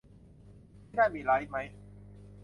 ที่นั่นมีไลฟ์ไหม